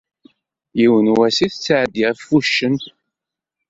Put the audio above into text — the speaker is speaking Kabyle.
Yiwen wass ay tettɛeddi ɣef wuccen.